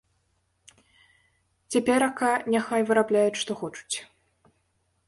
Цяперака няхай вырабляюць што хочуць.